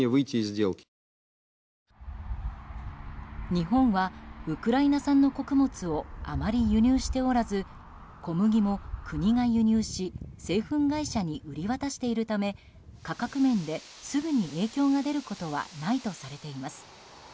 日本はウクライナ産の穀物をあまり輸入しておらず小麦も国が輸入し製粉会社に売り渡しているため価格面ですぐに影響が出ることはないとされています。